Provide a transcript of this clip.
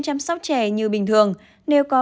chăm sóc trẻ như bình thường nếu có